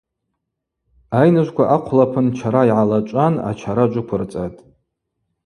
Айныжвква ахъвлапын чара йгӏалачӏван ачара джвыквырцӏатӏ.